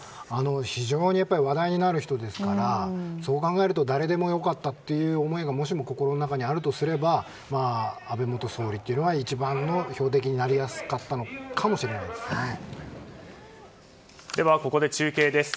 非常に話題になる人ですからそう考えると誰でもよかったという思いがもしも心の中にあるとすれば安倍元総理というのは一番の標的になりやすかったかもここで中継です。